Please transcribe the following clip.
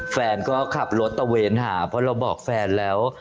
แฟนก็ขับรถตะเวนหาเพราะเราบอกแฟนแล้ว